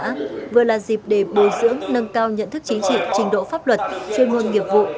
công tác vừa là dịp để bùi dưỡng nâng cao nhận thức chính trị trình độ pháp luật chuyên ngôn nghiệp vụ